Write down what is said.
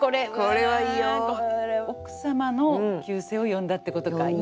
奥様の旧姓を呼んだってことか。